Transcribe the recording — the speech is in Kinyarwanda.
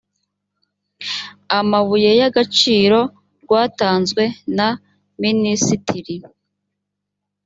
amabuye y agaciro rwatanzwe na minisitiri